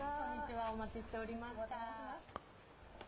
お待ちしておりました。